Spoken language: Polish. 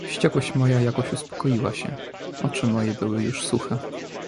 "Wściekłość moja jakoś uspokoiła się, oczy moje były już suche."